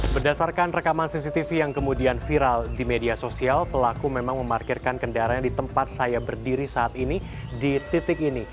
berdasarkan rekaman cctv yang kemudian viral di media sosial pelaku memang memarkirkan kendaraan di tempat saya berdiri saat ini di titik ini